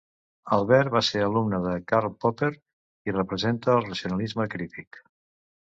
Albert va ser alumne de Karl Popper i representa el racionalisme crític.